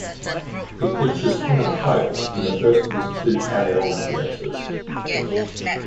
It features Kenneth Cope in the first of his two Carry on appearances.